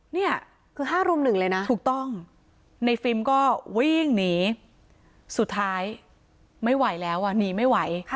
นี่ถูกต้องในฟิมก็วิ่งหนีสุดท้ายไม่ไหวแล้วหนีไม่ไหว